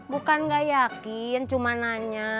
bukan gak yakin cuma nanya